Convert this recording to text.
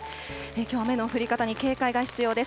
きょうは雨の降り方に警戒が必要です。